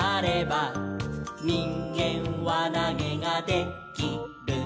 「にんげんわなげがで・き・る」